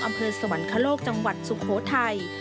อำเภอสวรรคโลกจังหวัดสุโขทัย